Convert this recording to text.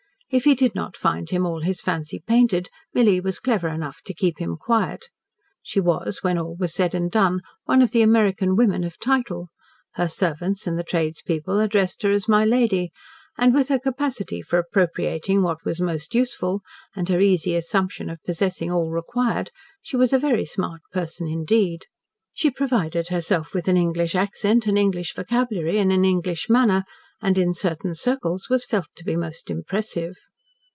If he did not find him all his fancy painted, Milly was clever enough to keep him quiet. She was, when all was said and done, one of the American women of title, her servants and the tradespeople addressed her as "my lady," and with her capacity for appropriating what was most useful, and her easy assumption of possessing all required, she was a very smart person indeed. She provided herself with an English accent, an English vocabulary, and an English manner, and in certain circles was felt to be most impressive.